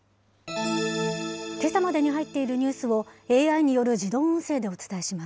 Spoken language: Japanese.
けさまでに入っているニュースをＡＩによる自動音声でお伝えしま